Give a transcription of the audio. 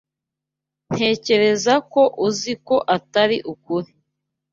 Ntekereza ko uzi ko atari ukuri.